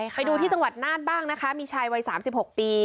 ไปดูที่จังหวัดนาฏบ้างนะคะมีชายวัยสามสิบหกปี